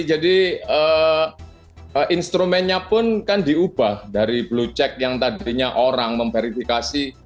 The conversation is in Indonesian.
jadi instrumennya pun kan diubah dari blue check yang tadinya orang memverifikasi